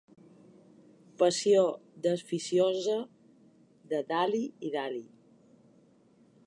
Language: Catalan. Passió desficiosa de da-li i da-li.